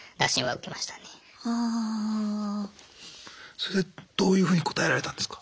それでどういうふうに答えられたんですか？